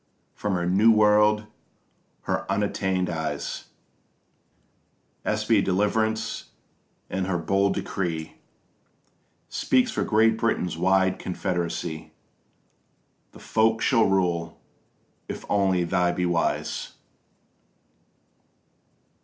From her new world her unattainted eyes Espy deliverance, and her bold decree Speaks for Great Britain's wide confederacy: The folk shall rule, if only they be wise.